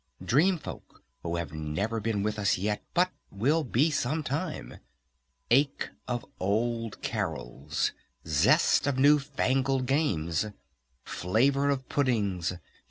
Dream Folk who have never been with us yet but will be some time! Ache of old carols! Zest of new fangled games! Flavor of puddings!